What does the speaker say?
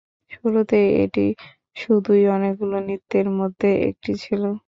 শুরুতে এটি শুধুই অনেকগুলো নৃত্যের মধ্য একটি ছিল।